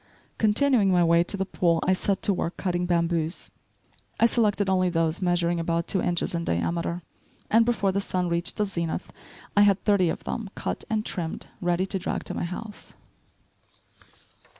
Continuing my way to the pool, I set to work cutting bamboos. I selected only those measuring about two inches in diameter, and before the sun reached the zenith I had thirty of them cut and trimmed, ready to drag to my house.